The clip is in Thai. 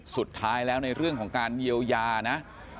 สุดท้ายแล้วในเรื่องของการเยียวยานะ